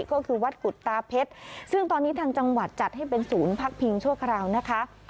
ก็คือวัดกุฎตาเพชรซึ่งตอนนี้ทางจังหวัดจัดให้เป็นศูนย์พักพิงชั่วคราวนะคะ